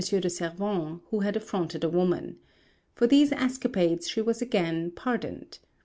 de Servan, who had affronted a woman. For these escapades she was again pardoned.